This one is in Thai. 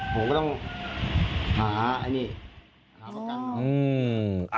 ผมก็ต้องหาอันนี้หาประกัน